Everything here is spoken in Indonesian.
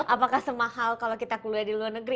apakah semahal kalau kita kuliah di luar negeri